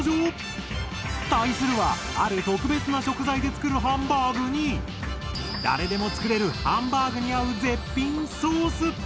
対するはある特別な食材で作るハンバーグに誰でも作れるハンバーグに合う絶品ソース！